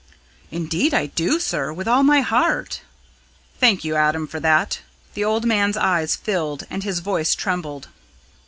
"Indeed I do, sir with all my heart!" "Thank you, Adam, for that." The old, man's eyes filled and his voice trembled.